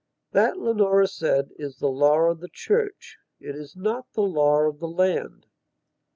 "That," Leonora said, "is the law of the church. It is not the law of the land...."